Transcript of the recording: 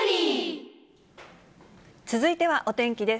続いてはお天気です。